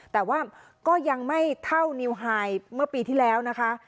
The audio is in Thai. แต่ว่าก็ยังไม่เท่านิวไฮเมื่อปีที่แล้วนะคะ